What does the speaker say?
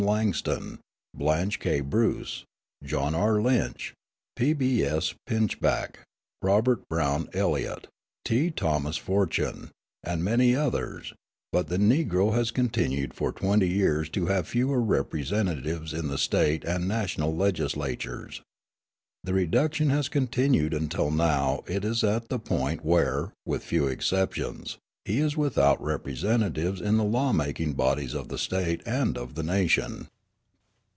Langston, Blanche K. Bruce, John R. Lynch, P. B. S. Pinchback, Robert Browne Elliot, T. Thomas Fortune, and many others; but the Negro has continued for twenty years to have fewer representatives in the State and national legislatures. The reduction has continued until now it is at the point where, with few exceptions, he is without representatives in the law making bodies of the State and of the nation.